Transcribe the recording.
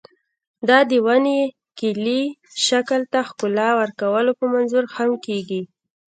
دا د ونې کلي شکل ته ښکلا ورکولو په منظور هم کېږي.